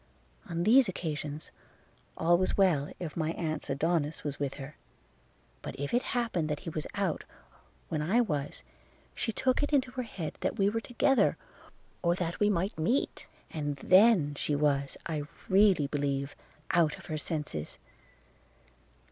On these occasions, all was well, if my aunt's Adonis was with her; but if it happened that he was out when I was, she took it into her head that we were together, or that we might meet, and then she was, I really believe, out of her senses.